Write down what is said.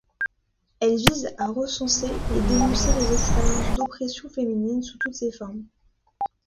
Elle vise à recenser et dénoncer les expériences d’oppression féminine sous toutes ses formes.